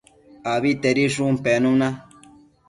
Abitedishun penuna